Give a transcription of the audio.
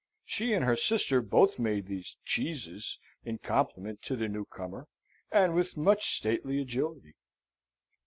She and her sister both made these "cheeses" in compliment to the new comer, and with much stately agility.